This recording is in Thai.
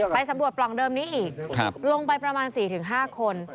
สำรวจปล่องเดิมนี้อีกลงไปประมาณ๔๕คน